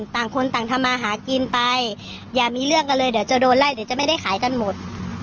ต่างคนต่างทำมาหากินไปอย่ามีเรื่องกันเลยเดี๋ยวจะโดนไล่เดี๋ยวจะไม่ได้ขายกันหมด